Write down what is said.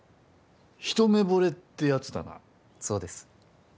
一目ぼれってやつだなそうです